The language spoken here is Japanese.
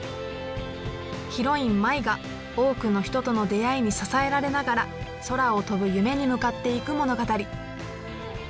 ヒロイン舞が多くの人との出会いに支えられながら空を飛ぶ夢に向かっていく物語。